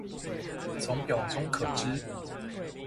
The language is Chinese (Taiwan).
從表中可知